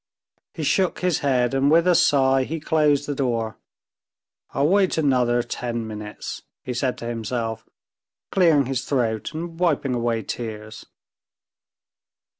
He shook his head, and with a sigh he closed the door. "I'll wait another ten minutes," he said to himself, clearing his throat and wiping away tears.